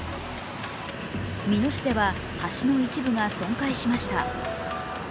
美濃市では橋の一部が損壊しました。